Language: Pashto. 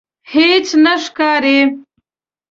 هیڅ نه ښکاري